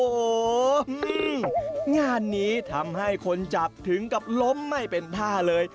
โอ้โหงานนี้ทำให้คนจับถึงกับล้มไม่เป็นท่าเลย